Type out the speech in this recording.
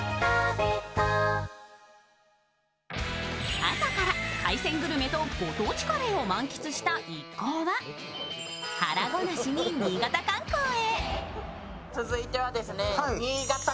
朝から海鮮グルメとご当地カレーを満喫した一行は腹ごなしに新潟観光へ。